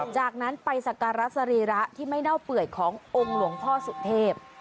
จากนั้นไปสักการะสรีระที่ไม่เน่าเปื่อยขององค์หลวงพ่อสุเทพ